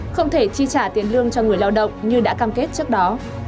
không thể chi trả tiền lương cho người lao động như đã cam kết trước đó